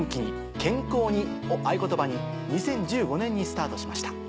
健康に！」を合言葉に２０１５年にスタートしました。